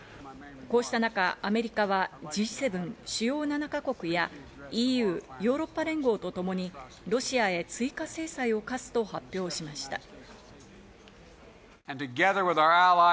こうした中、アメリカはＧ７＝主要７か国やＥＵ＝ヨーロッパ連合とともにロシアへ追加制裁を科すと発表しました。